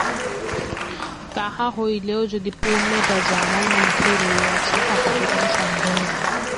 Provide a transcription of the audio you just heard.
তাহা হইলেও সেই পূর্ণত্ব যে আমাদের মধ্যেই রহিয়াছে, তাহাতে কোন সন্দেহ নাই।